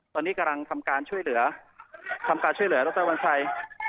ตอนนี้กำลังทำการช่วยเหลือทำการช่วยเหลือดรวัญชัย